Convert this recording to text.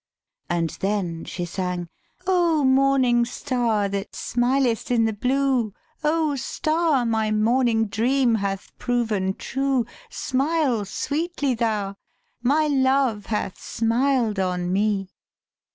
And then she sang, "O morning star that smilest in the blue, O star, my morning dream hath proven true, Smile sweetly, thou! my love hath smiled on me."